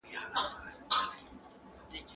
تاسو باید د سبزیو پوستکی لرې کړئ.